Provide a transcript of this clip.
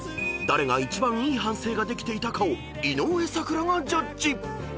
誰が一番いい反省ができていたかを井上咲楽がジャッジ］